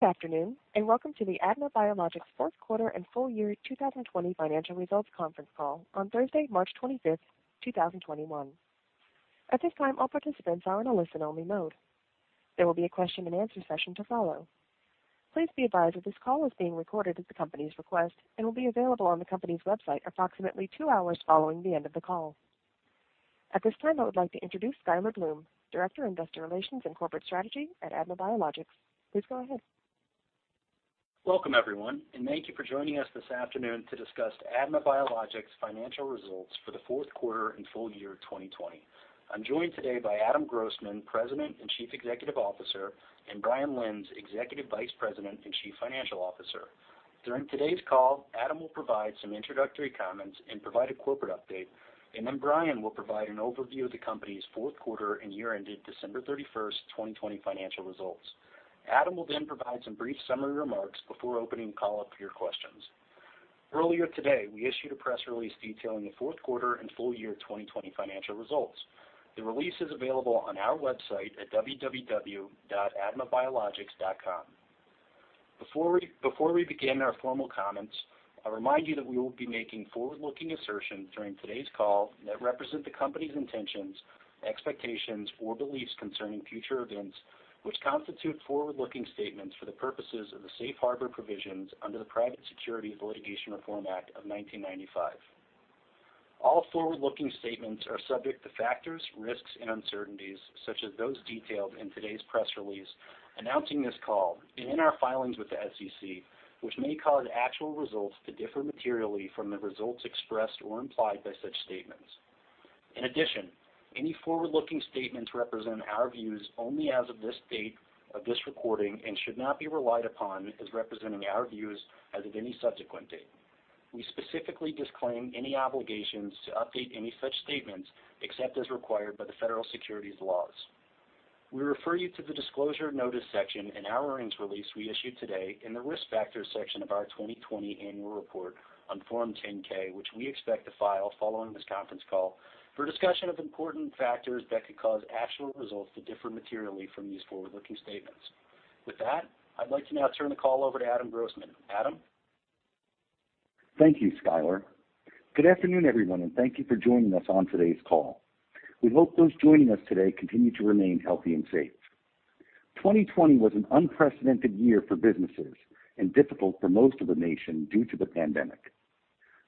Good afternoon, and welcome to the ADMA Biologics Fourth Quarter and Full Year 2020 Financial Results Conference Call on Thursday, March 25th, 2021. At this time, all participants are in a listen-only mode. There will be a question and answer session to follow. Please be advised that this call is being recorded at the company's request and will be available on the company's website approximately two hours following the end of the call. At this time, I would like to introduce Skyler Bloom, Director of Investor Relations and Corporate Strategy at ADMA Biologics. Please go ahead. Welcome, everyone, and thank you for joining us this afternoon to discuss ADMA Biologics' financial results for the fourth quarter and full year 2020. I'm joined today by Adam Grossman, President and Chief Executive Officer, and Brian Lenz, Executive Vice President and Chief Financial Officer. During today's call, Adam will provide some introductory comments and provide a corporate update, and then Brian will provide an overview of the company's fourth quarter and year-ended December 31st, 2020 financial results. Adam will then provide some brief summary remarks before opening the call up for your questions. Earlier today, we issued a press release detailing the fourth quarter and full year 2020 financial results. The release is available on our website at www.admabiologics.com. Before we begin our formal comments, I'll remind you that we will be making forward-looking assertions during today's call that represent the company's intentions, expectations, or beliefs concerning future events which constitute forward-looking statements for the purposes of the safe harbor provisions under the Private Securities Litigation Reform Act of 1995. All forward-looking statements are subject to factors, risks, and uncertainties, such as those detailed in today's press release announcing this call and in our filings with the SEC, which may cause actual results to differ materially from the results expressed or implied by such statements. In addition, any forward-looking statements represent our views only as of this date of this recording and should not be relied upon as representing our views as of any subsequent date. We specifically disclaim any obligations to update any such statements except as required by the federal securities laws. We refer you to the Disclosure and Notice section in our earnings release we issued today in the Risk Factors section of our 2020 annual report on Form 10-K, which we expect to file following this conference call, for a discussion of important factors that could cause actual results to differ materially from these forward-looking statements. With that, I'd like to now turn the call over to Adam Grossman. Adam? Thank you, Skyler. Good afternoon, everyone, and thank you for joining us on today's call. We hope those joining us today continue to remain healthy and safe. 2020 was an unprecedented year for businesses and difficult for most of the nation due to the pandemic.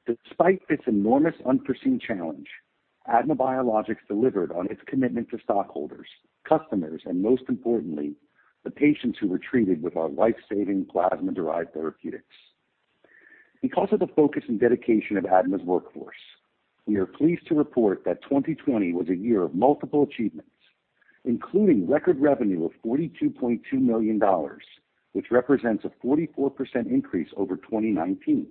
Despite this enormous unforeseen challenge, ADMA Biologics delivered on its commitment to stockholders, customers, and most importantly, the patients who were treated with our life-saving plasma-derived therapeutics. Because of the focus and dedication of ADMA's workforce, we are pleased to report that 2020 was a year of multiple achievements, including record revenue of $42.2 million, which represents a 44% increase over 2019.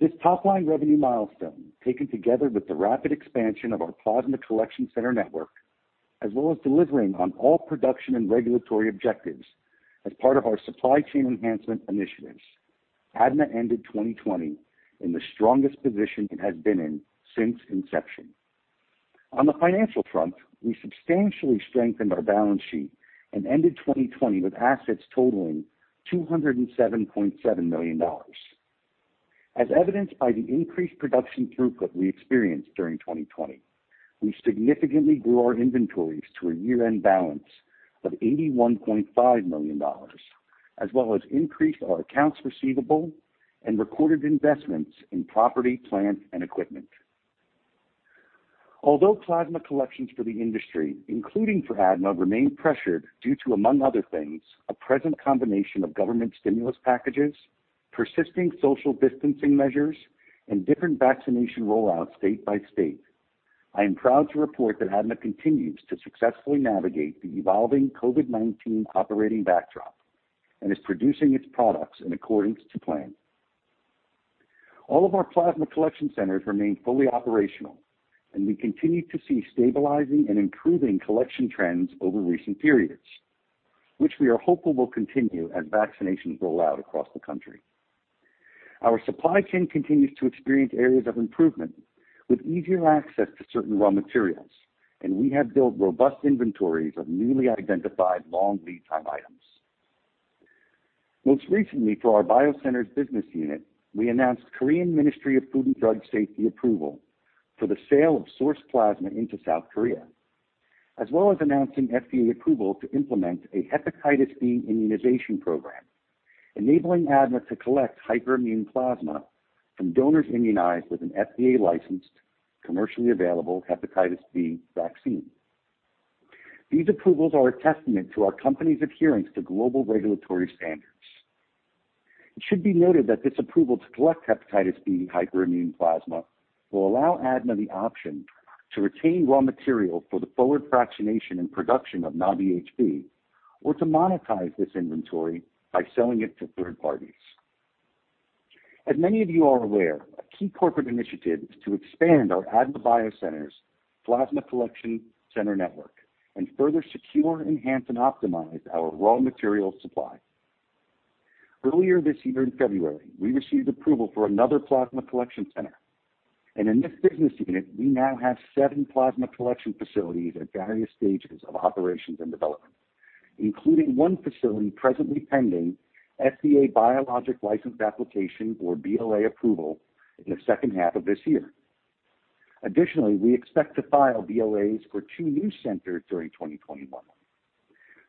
This top-line revenue milestone, taken together with the rapid expansion of our plasma collection center network, as well as delivering on all production and regulatory objectives as part of our supply chain enhancement initiatives, ADMA ended 2020 in the strongest position it has been in since inception. On the financial front, we substantially strengthened our balance sheet and ended 2020 with assets totaling $207.7 million. As evidenced by the increased production throughput we experienced during 2020, we significantly grew our inventories to a year-end balance of $81.5 million, as well as increased our accounts receivable and recorded investments in property, plant, and equipment. Although plasma collections for the industry, including for ADMA, remain pressured due to, among other things, a present combination of government stimulus packages, persisting social distancing measures, and different vaccination rollouts state by state, I am proud to report that ADMA continues to successfully navigate the evolving COVID-19 operating backdrop and is producing its products in accordance to plan. All of our plasma collection centers remain fully operational, and we continue to see stabilizing and improving collection trends over recent periods, which we are hopeful will continue as vaccinations roll out across the country. Our supply chain continues to experience areas of improvement with easier access to certain raw materials, and we have built robust inventories of newly identified long lead time items. Most recently for our ADMA BioCenters business unit, we announced Korean Ministry of Food and Drug Safety approval for the sale of sourced plasma into South Korea, as well as announcing FDA approval to implement a hepatitis B immunization program, enabling ADMA to collect hyperimmune plasma from donors immunized with an FDA-licensed, commercially available hepatitis B vaccine. These approvals are a testament to our company's adherence to global regulatory standards. It should be noted that this approval to collect hepatitis B hyperimmune plasma will allow ADMA the option to retain raw material for the forward fractionation and production of NABI-HB or to monetize this inventory by selling it to third parties. As many of you are aware, a key corporate initiative is to expand our ADMA BioCenters plasma collection center network and further secure, enhance, and optimize our raw material supply. Earlier this year in February, we received approval for another plasma collection center. In this business unit, we now have seven plasma collection facilities at various stages of operations and development, including one facility presently pending FDA Biologic License Application or BLA approval in the second half of this year. Additionally, we expect to file BLAs for two new centers during 2021.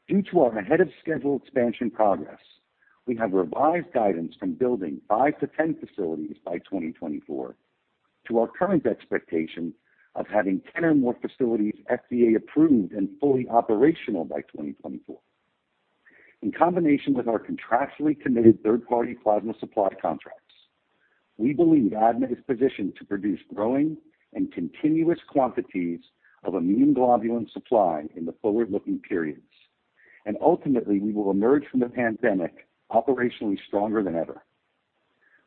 Due to our ahead-of-schedule expansion progress, we have revised guidance from building 5-10 facilities by 2024 to our current expectation of having 10 or more facilities FDA approved and fully operational by 2024. In combination with our contractually committed third-party plasma supply contracts, we believe ADMA is positioned to produce growing and continuous quantities of immune globulin supply in the forward-looking periods, and ultimately, we will emerge from the pandemic operationally stronger than ever.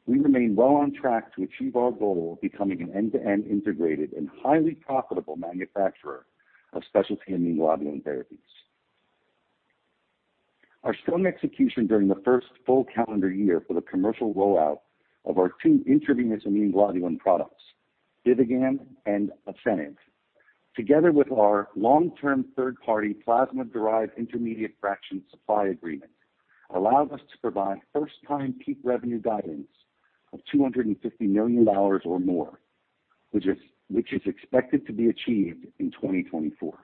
We remain well on track to achieve our goal of becoming an end-to-end integrated and highly profitable manufacturer of specialty immune globulin therapies. Our strong execution during the first full calendar year for the commercial rollout of our two intravenous immune globulin products, BIVIGAM and ASCENIV, together with our long-term third-party plasma-derived intermediate fraction supply agreement, allows us to provide first-time peak revenue guidance of $250 million or more, which is expected to be achieved in 2024.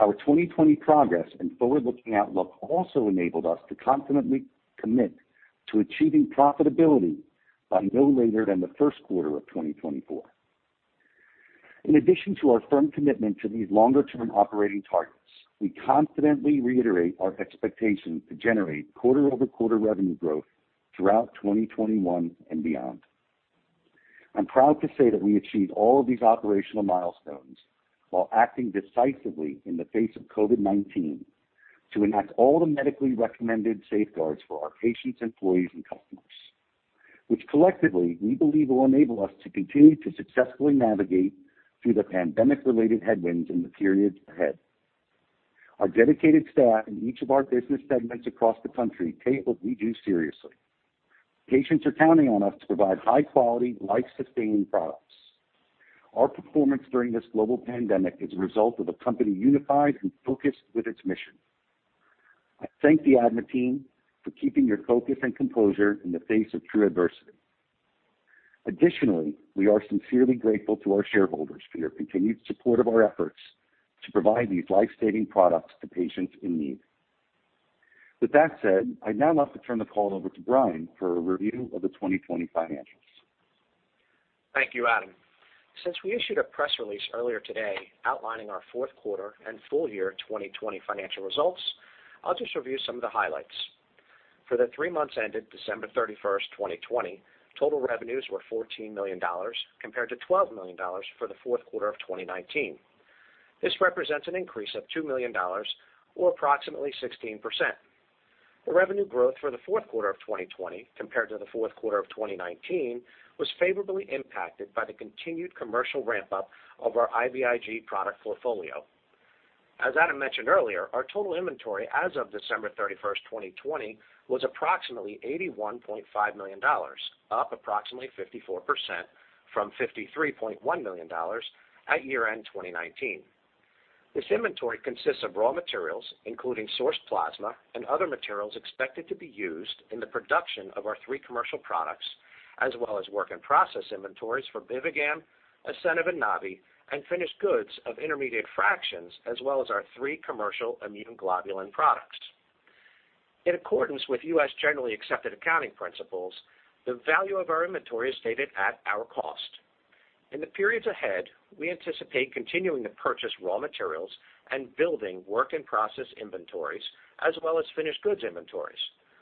Our 2020 progress and forward-looking outlook also enabled us to confidently commit to achieving profitability by no later than the first quarter of 2024. In addition to our firm commitment to these longer-term operating targets, we confidently reiterate our expectation to generate quarter-over-quarter revenue growth throughout 2021 and beyond. I'm proud to say that we achieved all of these operational milestones while acting decisively in the face of COVID-19 to enact all the medically recommended safeguards for our patients, employees, and customers, which collectively, we believe will enable us to continue to successfully navigate through the pandemic-related headwinds in the periods ahead. Our dedicated staff in each of our business segments across the country take what we do seriously. Patients are counting on us to provide high-quality, life-sustaining products. Our performance during this global pandemic is a result of a company unified and focused with its mission. I thank the ADMA team for keeping your focus and composure in the face of true adversity. Additionally, we are sincerely grateful to our shareholders for your continued support of our efforts to provide these life-saving products to patients in need. With that said, I'd now love to turn the call over to Brian for a review of the 2020 financials. Thank you, Adam. Since we issued a press release earlier today outlining our fourth quarter and full year 2020 financial results, I'll just review some of the highlights. For the three months ended December 31st, 2020, total revenues were $14 million compared to $12 million for the fourth quarter of 2019. This represents an increase of $2 million or approximately 16%. The revenue growth for the fourth quarter of 2020 compared to the fourth quarter of 2019 was favorably impacted by the continued commercial ramp-up of our IVIG product portfolio. As Adam mentioned earlier, our total inventory as of December 31st, 2020, was approximately $81.5 million, up approximately 54% from $53.1 million at year-end 2019. This inventory consists of raw materials, including sourced plasma and other materials expected to be used in the production of our three commercial products, as well as work-in-process inventories for BIVIGAM, ASCENIV and NABI-HB, and finished goods of intermediate fractions as well as our three commercial immune globulin products. In accordance with U.S. General Accepted Accounting Principles, the value of our inventory is stated at our cost. In the periods ahead, we anticipate continuing to purchase raw materials and building work-in-process inventories as well as finished goods inventories,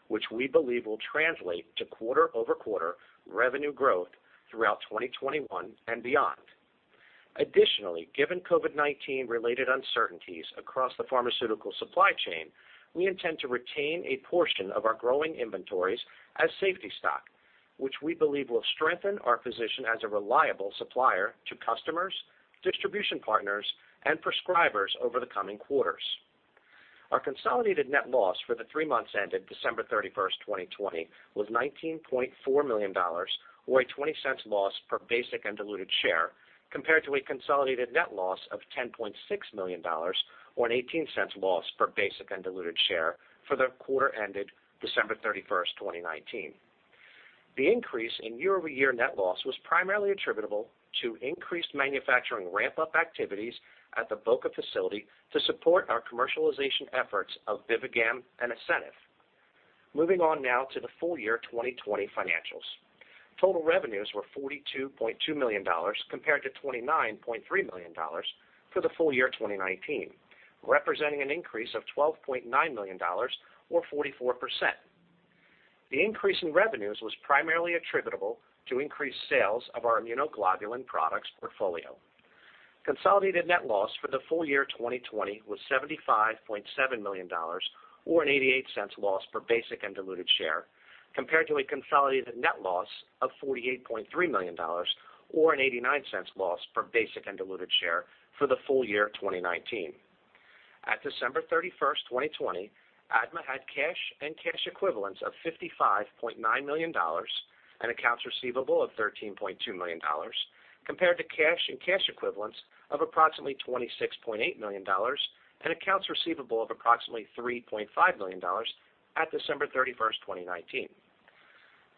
which we believe will translate to quarter-over-quarter revenue growth throughout 2021 and beyond. Additionally, given COVID-19 related uncertainties across the pharmaceutical supply chain, we intend to retain a portion of our growing inventories as safety stock, which we believe will strengthen our position as a reliable supplier to customers, distribution partners, and prescribers over the coming quarters. Our consolidated net loss for the three months ended December 31st, 2020, was $19.4 million or a $0.20 loss per basic and diluted share, compared to a consolidated net loss of $10.6 million or an $0.18 loss per basic and diluted share for the quarter ended December 31st, 2019. The increase in year-over-year net loss was primarily attributable to increased manufacturing ramp-up activities at the Boca facility to support our commercialization efforts of BIVIGAM and ASCENIV. Moving on now to the full year 2020 financials. Total revenues were $42.2 million compared to $29.3 million for the full year 2019, representing an increase of $12.9 million or 44%. The increase in revenues was primarily attributable to increased sales of our immunoglobulin products portfolio. Consolidated net loss for the full year 2020 was $75.7 million or an $0.88 loss per basic and diluted share, compared to a consolidated net loss of $48.3 million or an $0.89 loss per basic and diluted share for the full year 2019. At December 31st, 2020, ADMA had cash and cash equivalents of $55.9 million and accounts receivable of $13.2 million, compared to cash and cash equivalents of approximately $26.8 million and accounts receivable of approximately $3.5 million at December 31st, 2019.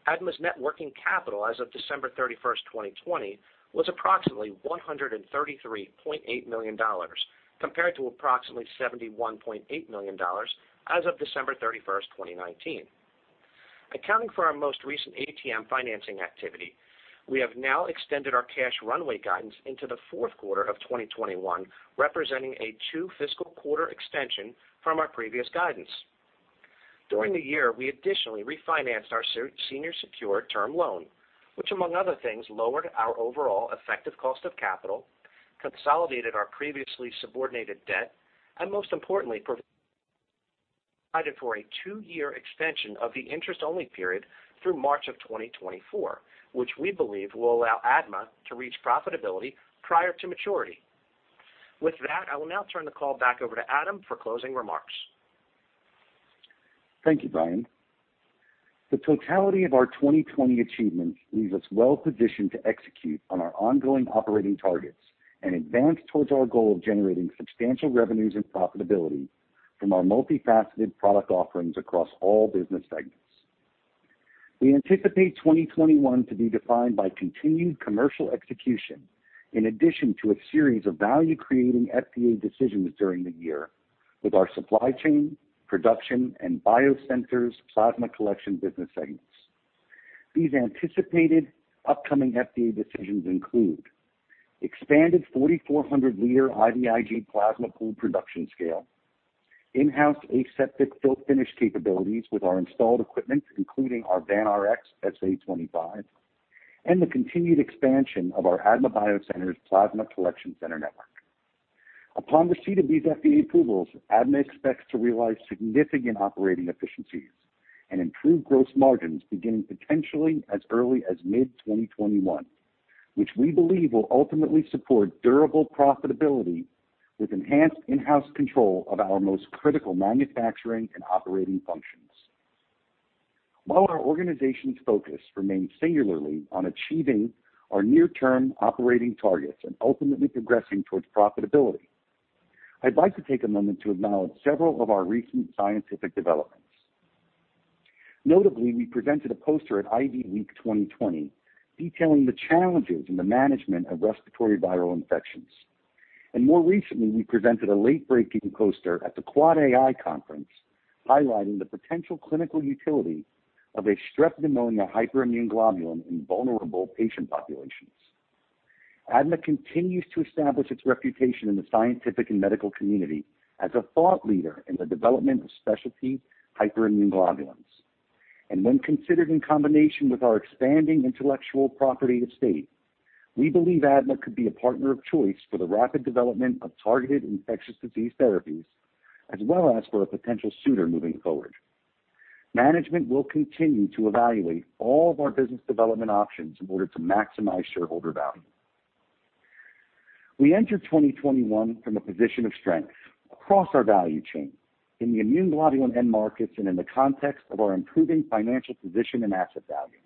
ADMA's net working capital as of December 31st, 2020, was approximately $133.8 million, compared to approximately $71.8 million as of December 31st, 2019. Accounting for our most recent ATM financing activity, we have now extended our cash runway guidance into the fourth quarter of 2021, representing a two fiscal quarter extension from our previous guidance. During the year, we additionally refinanced our senior secured term loan, which among other things, lowered our overall effective cost of capital, consolidated our previously subordinated debt, and most importantly, provided for a two-year extension of the interest-only period through March of 2024, which we believe will allow ADMA to reach profitability prior to maturity. With that, I will now turn the call back over to Adam for closing remarks. Thank you, Brian. The totality of our 2020 achievements leaves us well positioned to execute on our ongoing operating targets and advance towards our goal of generating substantial revenues and profitability from our multifaceted product offerings across all business segments. We anticipate 2021 to be defined by continued commercial execution, in addition to a series of value-creating FDA decisions during the year with our supply chain, production, and BioCenters plasma collection business segments. These anticipated upcoming FDA decisions include expanded 4,400-L IVIG plasma pool production scale, in-house aseptic fill finish capabilities with our installed equipment, including our VanRx SA25, and the continued expansion of our ADMA BioCenters plasma collection center network. Upon receipt of these FDA approvals, ADMA expects to realize significant operating efficiencies and improved gross margins beginning potentially as early as mid-2021, which we believe will ultimately support durable profitability with enhanced in-house control of our most critical manufacturing and operating functions. While our organization's focus remains singularly on achieving our near-term operating targets and ultimately progressing towards profitability, I'd like to take a moment to acknowledge several of our recent scientific developments. Notably, we presented a poster at IDWeek 2020 detailing the challenges in the management of respiratory viral infections. More recently, we presented a late-breaking poster at the QuadAI Conference highlighting the potential clinical utility of a Strep Pneumonia hyperimmune globulin in vulnerable patient populations. ADMA continues to establish its reputation in the scientific and medical community as a thought leader in the development of specialty hyperimmune globulins. When considered in combination with our expanding intellectual property estate, we believe ADMA could be a partner of choice for the rapid development of targeted infectious disease therapies, as well as for a potential suitor moving forward. Management will continue to evaluate all of our business development options in order to maximize shareholder value. We enter 2021 from a position of strength across our value chain in the immune globulin end markets and in the context of our improving financial position and asset value.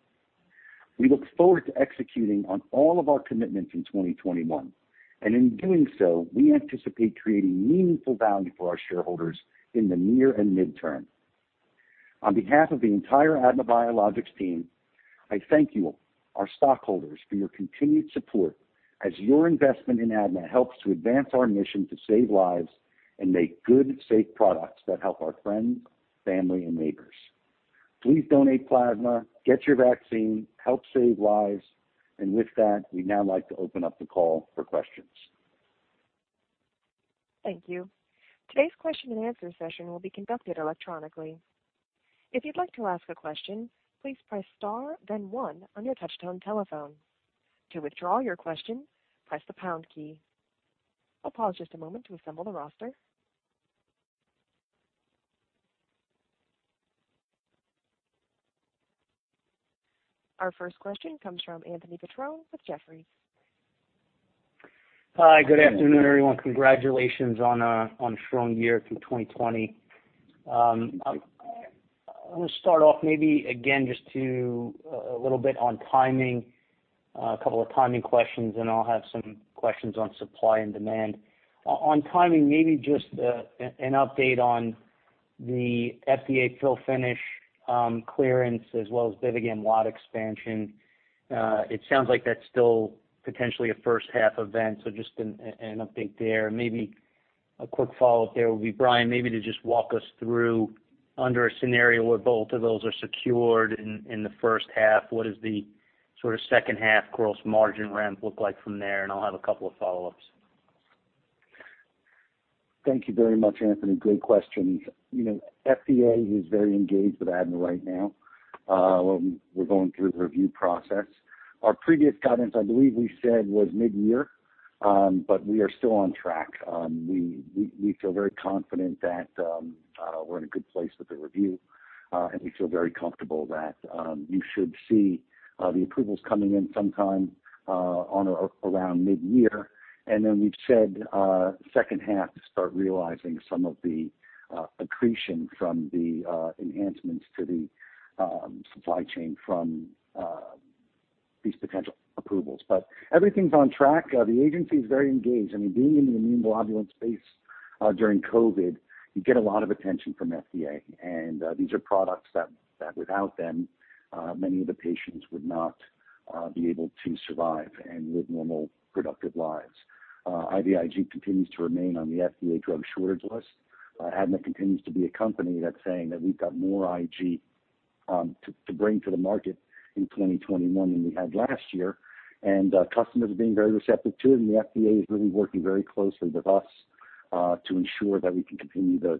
We look forward to executing on all of our commitments in 2021, and in doing so, we anticipate creating meaningful value for our shareholders in the near and midterm. On behalf of the entire ADMA Biologics team, I thank you, our stockholders, for your continued support as your investment in ADMA helps to advance our mission to save lives and make good, safe products that help our friends, family, and neighbors. Please donate plasma, get your vaccine, help save lives, and with that, we'd now like to open up the call for questions. Thank you. Today's question and answer session will be conducted electronically. If you'd like to ask a question, please press star then one on your touch-tone telephone. To withdraw your question, press the pound key. I'll pause just a moment to assemble the roster. Our first question comes from Anthony Petrone with Jefferies. Hi, good afternoon, everyone. Congratulations on a strong year through 2020. I want to start off maybe again, just to a little bit on timing, a couple of timing questions, and I'll have some questions on supply and demand. On timing, maybe just an update on the FDA fill finish clearance as well as BIVIGAM lot expansion. It sounds like that's still potentially a first half event. Just an update there. Maybe a quick follow-up there would be Brian, maybe to just walk us through under a scenario where both of those are secured in the first half, what is the sort of second half gross margin ramp look like from there? I'll have a couple of follow-ups. Thank you very much, Anthony. Great questions. FDA is very engaged with ADMA right now. We're going through the review process. Our previous guidance, I believe we said, was mid-year. We are still on track. We feel very confident that we're in a good place with the review, and we feel very comfortable that you should see the approvals coming in sometime around mid-year. We've said second half to start realizing some of the accretion from the enhancements to the supply chain from these potential approvals. Everything's on track. The agency's very engaged. Being in the immunoglobulin space during COVID, you get a lot of attention from FDA. These are products that without them, many of the patients would not be able to survive and live normal, productive lives. IVIG continues to remain on the FDA drug shortage list. ADMA continues to be a company that's saying that we've got more IG to bring to the market in 2021 than we had last year. Customers are being very receptive to it, and the FDA is really working very closely with us to ensure that we can continue the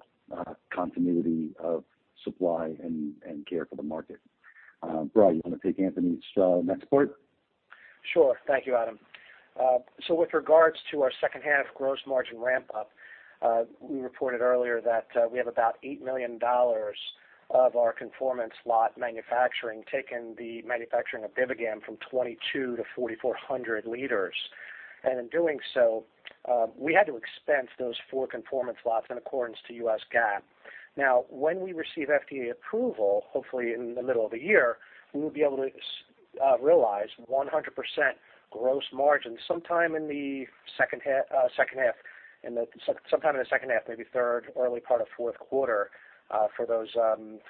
continuity of supply and care for the market. Brian, you want to take Anthony's next part? Thank you, Adam. With regards to our second half gross margin ramp up, we reported earlier that we have about $8 million of our conformance lot manufacturing, taking the manufacturing of BIVIGAM from 2,200-4,400 L. In doing so, we had to expense those four conformance lots in accordance to U.S. GAAP. When we receive FDA approval, hopefully in the middle of the year, we will be able to realize 100% gross margin sometime in the second half, maybe third, early part of fourth quarter, for those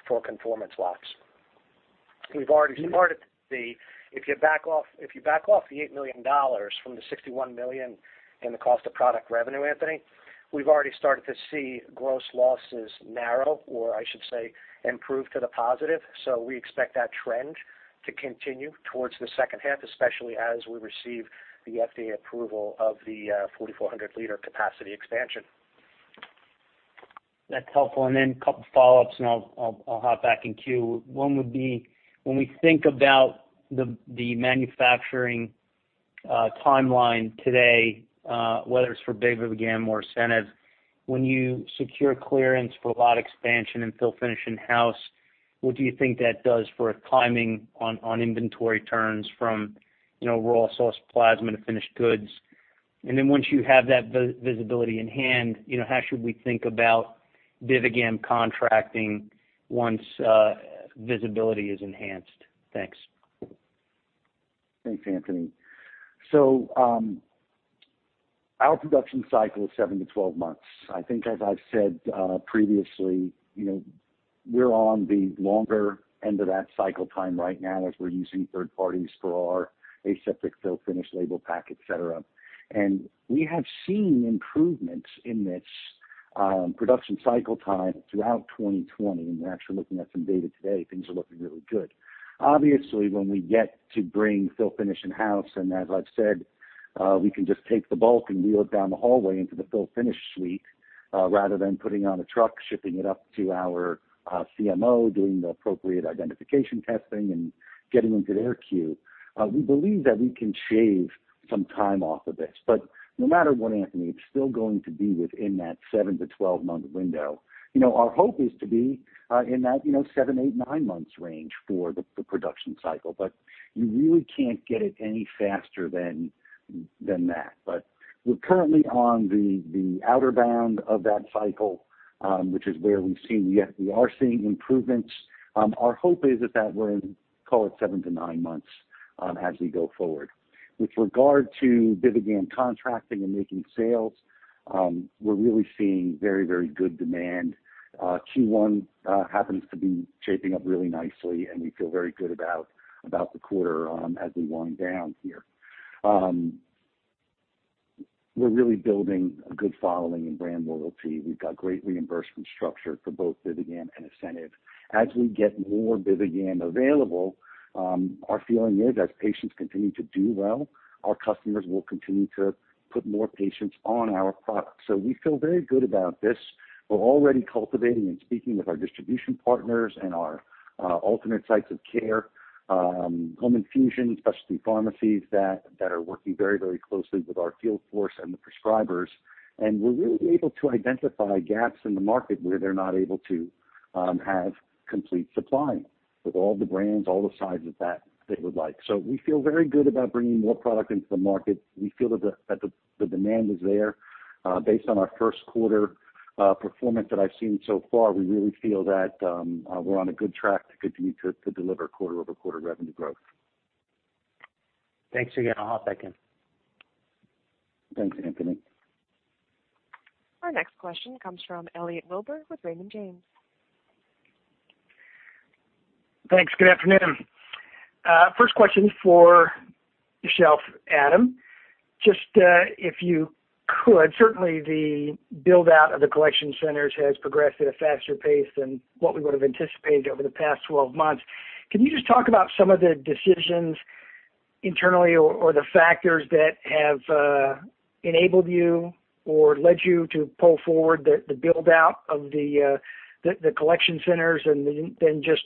four conformance lots. If you back off the $8 million from the $61 million in the cost of product revenue, Anthony, we've already started to see gross losses narrow, or I should say, improve to the positive. We expect that trend to continue towards the second half, especially as we receive the FDA approval of the 4,400-L capacity expansion. That's helpful. A couple follow-ups, and I'll hop back in queue. One would be, when we think about the manufacturing timeline today, whether it's for BIVIGAM or ASCENIV, when you secure clearance for lot expansion and fill finish in-house, what do you think that does for a timing on inventory turns from raw source plasma to finished goods? Once you have that visibility in hand, how should we think about BIVIGAM contracting once visibility is enhanced? Thanks. Thanks, Anthony. Our production cycle is 7-12 months. I think as I've said previously, we're on the longer end of that cycle time right now as we're using third parties for our aseptic fill finish label pack, et cetera. We have seen improvements in this production cycle time throughout 2020, and we're actually looking at some data today. Things are looking really good. Obviously, when we get to bring fill finish in-house, and as I've said, we can just take the bulk and wheel it down the hallway into the fill finish suite, rather than putting it on a truck, shipping it up to our CMO, doing the appropriate identification testing, and getting into their queue. We believe that we can shave some time off of this. No matter what, Anthony, it's still going to be within that 7-12-month window. Our hope is to be in that seven, eight, nine months range for the production cycle. You really can't get it any faster than that. We're currently on the outer bound of that cycle, which is where we are seeing improvements. Our hope is that that will, call it seven to nine months as we go forward. With regard to BIVIGAM contracting and making sales, we're really seeing very good demand. Q1 happens to be shaping up really nicely, and we feel very good about the quarter as we wind down here. We're really building a good following and brand loyalty. We've got great reimbursement structure for both BIVIGAM and ASCENIV. As we get more BIVIGAM available, our feeling is as patients continue to do well, our customers will continue to put more patients on our product. We feel very good about this. We're already cultivating and speaking with our distribution partners and our alternate sites of care, home infusion, specialty pharmacies that are working very closely with our field force and the prescribers. We're really able to identify gaps in the market where they're not able to have complete supply with all the brands, all the sizes that they would like. We feel very good about bringing more product into the market. We feel that the demand is there. Based on our first quarter performance that I've seen so far, we really feel that we're on a good track to continue to deliver quarter-over-quarter revenue growth. Thanks again. I'll hop back in. Thanks, Anthony. Our next question comes from Elliot Wilbur with Raymond James. Thanks. Good afternoon. First question for yourself, Adam. Just if you could, certainly the build-out of the collection centers has progressed at a faster pace than what we would've anticipated over the past 12 months. Can you just talk about some of the decisions internally or the factors that have enabled you or led you to pull forward the build-out of the collection centers. Then just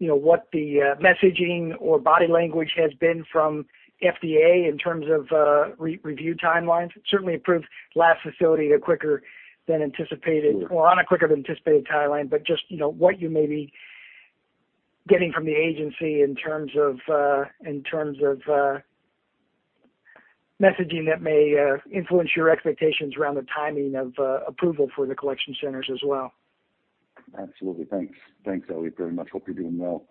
what the messaging or body language has been from FDA in terms of review timelines. Certainly approved last facility quicker than anticipated, or on a quicker than anticipated timeline. Just what you may be getting from the agency in terms of messaging that may influence your expectations around the timing of approval for the collection centers as well. Absolutely. Thanks, Elliot, very much. Hope you're doing well.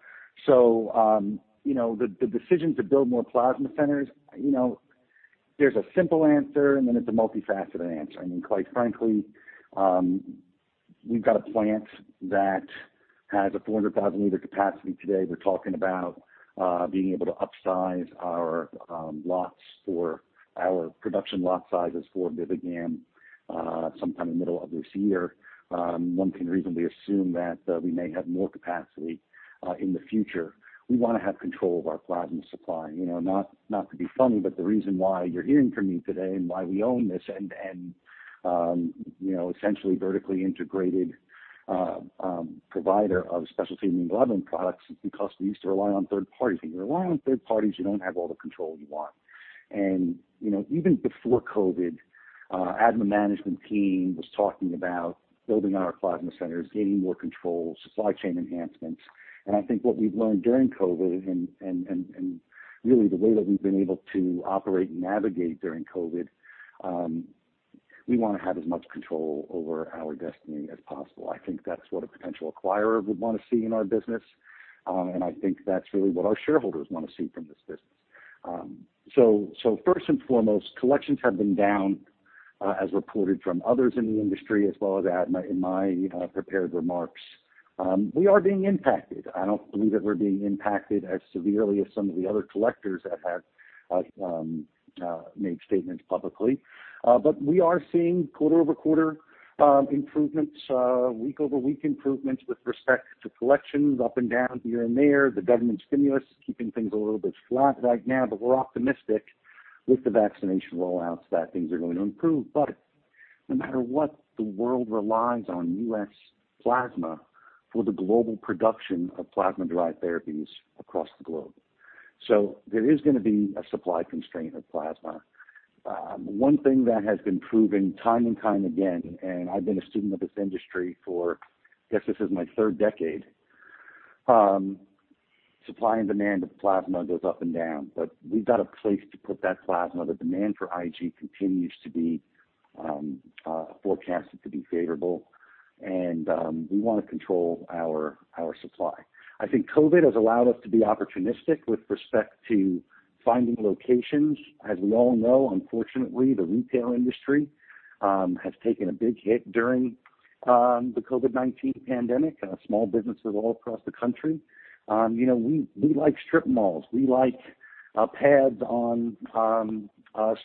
The decision to build more plasma centers, there's a simple answer, and then it's a multifaceted answer. Quite frankly, we've got a plant that has a 400,000 liter capacity today. We're talking about being able to upsize our production lot sizes for BIVIGAM sometime in the middle of this year. One can reasonably assume that we may have more capacity in the future. We want to have control of our plasma supply. Not to be funny, but the reason why you're hearing from me today and why we own this and essentially vertically integrated provider of specialty immune globulin products is because we used to rely on third parties. When you rely on third parties, you don't have all the control you want. Even before COVID, ADMA management team was talking about building our plasma centers, gaining more control, supply chain enhancements. I think what we've learned during COVID and really the way that we've been able to operate and navigate during COVID, we want to have as much control over our destiny as possible. I think that's what a potential acquirer would want to see in our business. I think that's really what our shareholders want to see from this business. First and foremost, collections have been down, as reported from others in the industry, as well as in my prepared remarks. We are being impacted. I don't believe that we're being impacted as severely as some of the other collectors that have made statements publicly. We are seeing quarter-over-quarter improvements, week-over-week improvements with respect to collections up and down here and there. The government stimulus is keeping things a little bit flat right now, we're optimistic with the vaccination rollouts that things are going to improve. No matter what, the world relies on U.S. plasma for the global production of plasma-derived therapies across the globe. There is going to be a supply constraint of plasma. One thing that has been proven time and time again, and I've been a student of this industry for, I guess this is my third decade. Supply and demand of plasma goes up and down, but we've got a place to put that plasma. The demand for IG continues to be forecasted to be favorable. We want to control our supply. I think COVID has allowed us to be opportunistic with respect to finding locations. As we all know, unfortunately, the retail industry has taken a big hit during the COVID-19 pandemic, small businesses all across the country. We like strip malls. We like pads on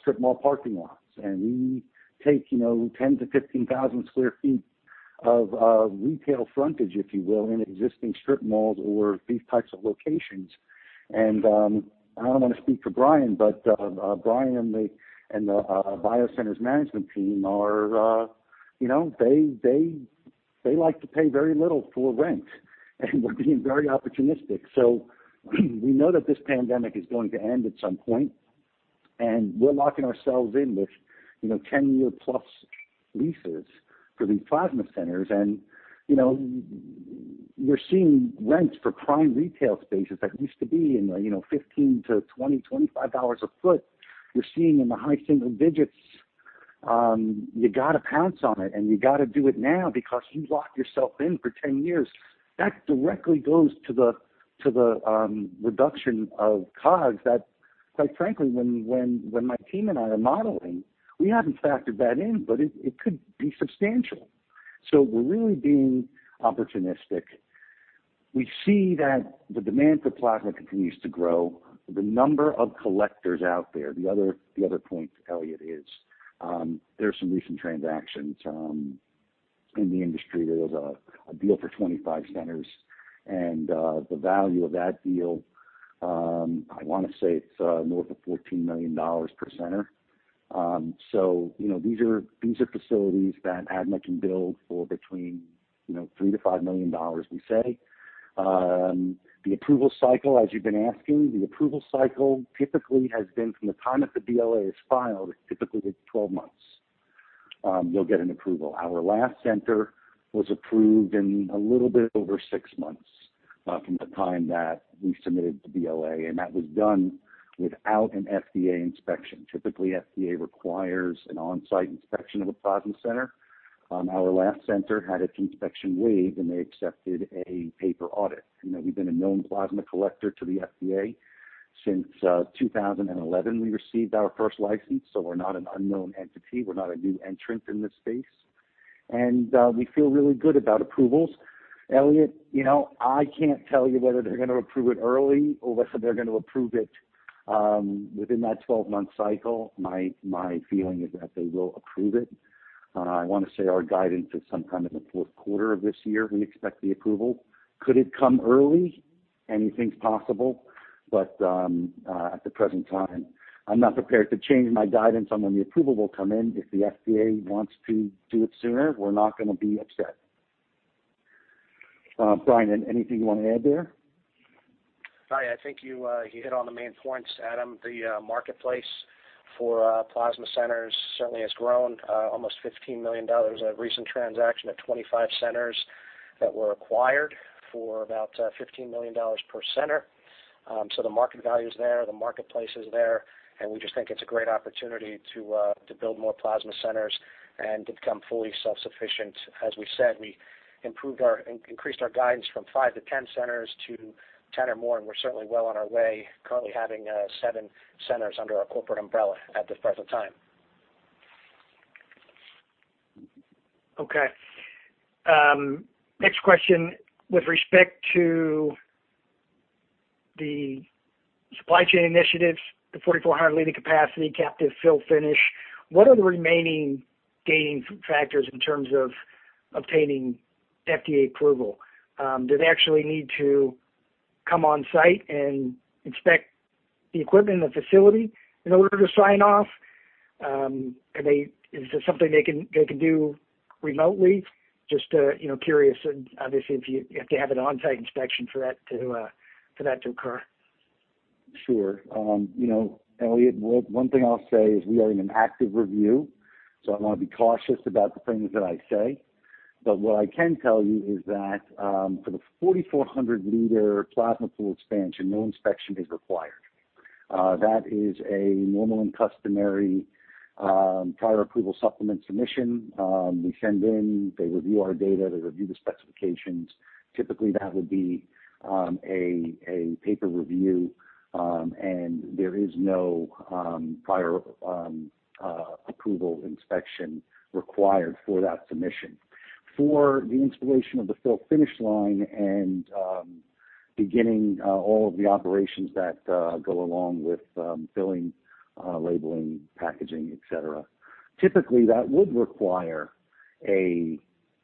strip mall parking lots. We take 10,000-15,000 sq ft of retail frontage, if you will, in existing strip malls or these types of locations. I don't want to speak for Brian, but Brian and the BioCenters management team are, they like to pay very little for rent and we're being very opportunistic. We know that this pandemic is going to end at some point and we're locking ourselves in with 10-year plus leases for these plasma centers. We're seeing rents for prime retail spaces that used to be in the $15-$20, $25 a foot, we're seeing in the high single digits. You got to pounce on it and you got to do it now because you lock yourself in for 10 years. That directly goes to the reduction of COGS that, quite frankly, when my team and I are modeling, we haven't factored that in, but it could be substantial. We're really being opportunistic. We see that the demand for plasma continues to grow. The number of collectors out there, the other point, Elliot, is there's some recent transactions in the industry. There was a deal for 25 centers and the value of that deal, I want to say it's north of $14 million per center. These are facilities that ADMA can build for between $3 million-$5 million, we say. The approval cycle, as you've been asking, the approval cycle typically has been from the time that the BLA is filed, typically takes 12 months, you'll get an approval. Our last center was approved in a little bit over six months from the time that we submitted the BLA, and that was done without an FDA inspection. Typically, FDA requires an on-site inspection of a plasma center. Our last center had its inspection waived, and they accepted a paper audit. We've been a known plasma collector to the FDA since 2011, we received our first license. We're not an unknown entity. We're not a new entrant in this space. We feel really good about approvals. Elliot, I can't tell you whether they're going to approve it early or whether they're going to approve it within that 12-month cycle. My feeling is that they will approve it. I want to say our guidance is some time in the fourth quarter of this year, we expect the approval. Could it come early? Anything's possible. At the present time, I'm not prepared to change my guidance on when the approval will come in. If the FDA wants to do it sooner, we're not going to be upset. Brian, anything you want to add there? Hi. I think you hit on the main points, Adam. The marketplace for plasma centers certainly has grown. Almost $15 million of recent transaction at 25 centers that were acquired for about $15 million per center. The market value's there, the marketplace is there, and we just think it's a great opportunity to build more plasma centers and to become fully self-sufficient. As we've said, we increased our guidance from five to 10 centers to 10 or more, and we're certainly well on our way, currently having seven centers under our corporate umbrella at the present time. Okay. Next question. With respect to the supply chain initiatives, the 4,400 L capacity captive fill finish, what are the remaining gating factors in terms of obtaining FDA approval? Do they actually need to come on-site and inspect the equipment and the facility in order to sign off? Is this something they can do remotely? Just curious, obviously, if you have to have an on-site inspection for that to occur. Sure. Elliot, one thing I'll say is we are in an active review. I want to be cautious about the things that I say. What I can tell you is that for the 4,400 L plasma pool expansion, no inspection is required. That is a normal and customary prior approval supplement submission. We send in, they review our data, they review the specifications. Typically, that would be a paper review. There is no prior approval inspection required for that submission. For the installation of the fill finish line and beginning all of the operations that go along with filling, labeling, packaging, et cetera, typically, that would require a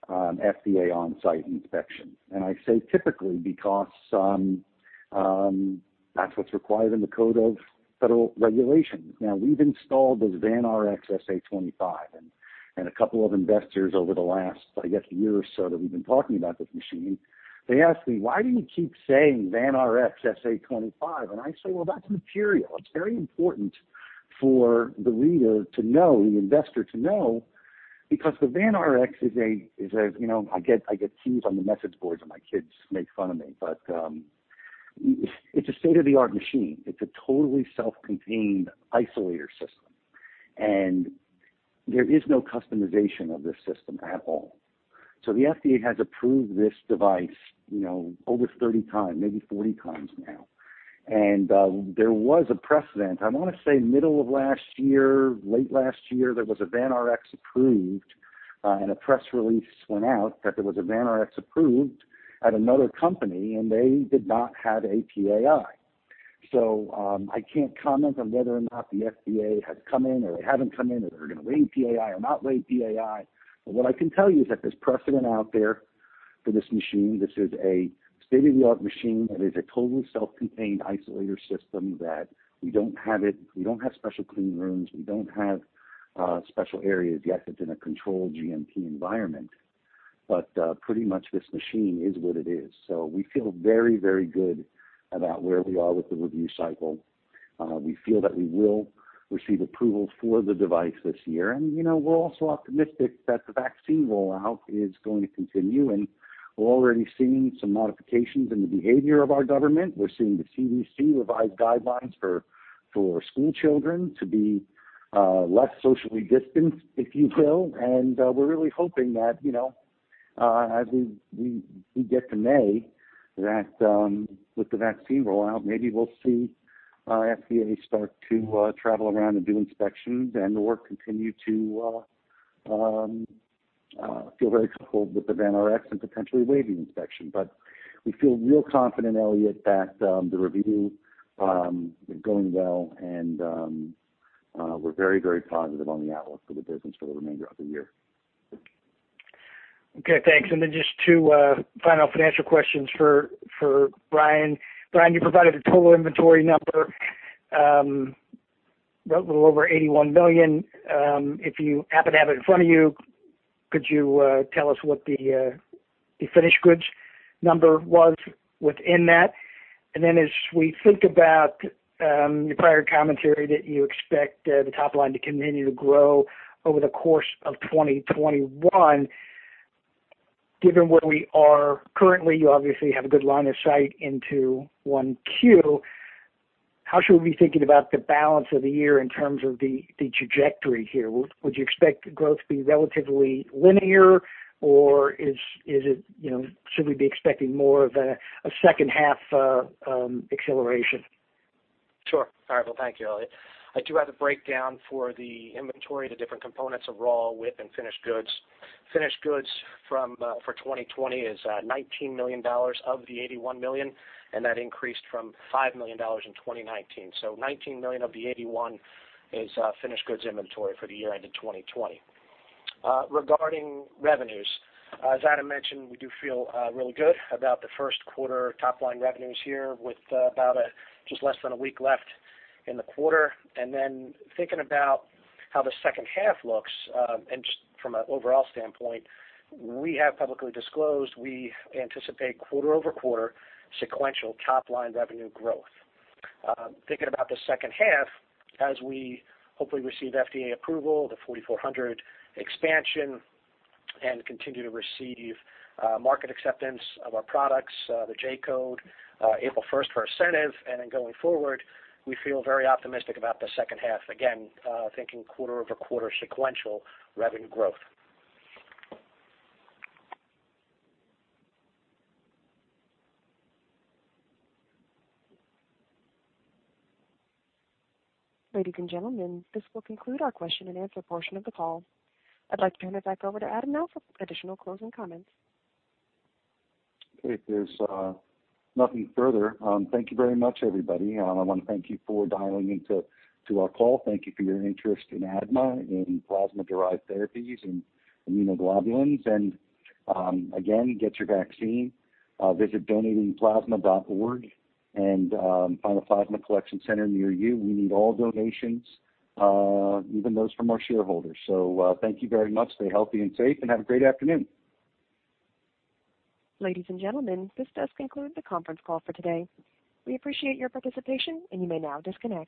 FDA on-site inspection. I say typically because that's what's required in the code of federal regulations. Now, we've installed this Vanrx SA25, and a couple of investors over the last, I guess, year or so that we've been talking about this machine, they ask me, "Why do you keep saying Vanrx SA25?" I say, "Well, that's material." It's very important for the reader to know, the investor to know, because the Vanrx is a, I get teased on the message boards, and my kids make fun of me, but it's a state-of-the-art machine. It's a totally self-contained isolator system, and there is no customization of this system at all. The FDA has approved this device over 30 times, maybe 40 times now. There was a precedent, I want to say middle of last year, late last year, there was a VanRx approved and a press release went out that there was a VanRx approved at another company, and they did not have a PAI. I can't comment on whether or not the FDA has come in or they haven't come in, or they're going to waive PAI or not waive PAI. What I can tell you is that there's precedent out there for this machine. This is a state-of-the-art machine that is a totally self-contained isolator system that we don't have special clean rooms, we don't have special areas yet that's in a controlled GMP environment. Pretty much this machine is what it is. We feel very good about where we are with the review cycle. We feel that we will receive approval for the device this year. We're also optimistic that the vaccine rollout is going to continue, and we're already seeing some modifications in the behavior of our government. We're seeing the CDC revise guidelines for school children to be less socially distanced, if you will. We're really hoping that as we get to May, that with the vaccine rollout, maybe we'll see FDA start to travel around and do inspections and/or continue to feel very comfortable with the VanRx and potentially waiving inspection. We feel real confident, Elliot, that the review going well and we're very positive on the outlook for the business for the remainder of the year. Okay, thanks. Then just two final financial questions for Brian. Brian, you provided a total inventory number, a little over $81 million. If you happen to have it in front of you, could you tell us what the finished goods number was within that? Then as we think about your prior commentary that you expect the top line to continue to grow over the course of 2021, given where we are currently, you obviously have a good line of sight into 1Q. How should we be thinking about the balance of the year in terms of the trajectory here? Would you expect growth to be relatively linear, or should we be expecting more of a second half acceleration? Sure. All right. Well, thank you, Elliot. I do have the breakdown for the inventory, the different components of raw, WIP, and finished goods. Finished goods for 2020 is $19 million of the $81 million. That increased from $5 million in 2019. $19 million of the $81 is finished goods inventory for the year end of 2020. Regarding revenues, as Adam mentioned, we do feel really good about the first quarter top line revenues here with about just less than a week left in the quarter. Thinking about how the second half looks and just from an overall standpoint, we have publicly disclosed we anticipate quarter-over-quarter sequential top line revenue growth. Thinking about the second half, as we hopefully receive FDA approval, the 4,400 L expansion and continue to receive market acceptance of our products, the J-Code, April 1st for ASCENIV and then going forward, we feel very optimistic about the second half, again, thinking quarter-over-quarter sequential revenue growth. Ladies and gentlemen, this will conclude our question-and-answer portion of the call. I'd like to turn it back over to Adam now for additional closing comments. If there's nothing further, thank you very much, everybody. I want to thank you for dialing into our call. Thank you for your interest in ADMA, in plasma-derived therapies and immunoglobulins. Again, get your vaccine. Visit donatingplasma.org and find a plasma collection center near you. We need all donations, even those from our shareholders. Thank you very much. Stay healthy and safe and have a great afternoon. Ladies and gentlemen, this does conclude the conference call for today. We appreciate your participation and you may now disconnect.